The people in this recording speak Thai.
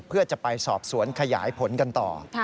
เพื่อจะไปสอบสวนขยายผลกันต่อ